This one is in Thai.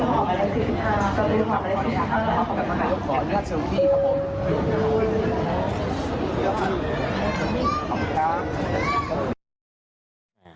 ขอบคุณครับ